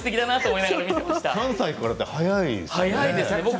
３歳からって早いですね。